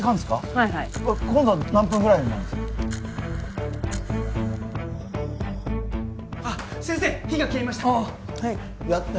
はいはい今度は何分くらいなんですか・あっ先生火が消えました